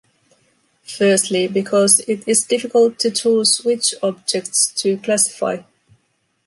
Firstly, because it is difficult to choose which objects to classify.